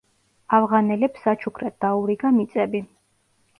ავღანელებს საჩუქრად დაურიგა მიწები.